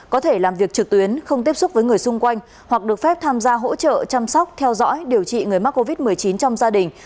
có thể làm việc trực tuyến không tiếp xúc với người xung quanh hoặc được phép tham gia hỗ trợ chăm sóc theo dõi điều trị người mắc covid một mươi chín trong gia đình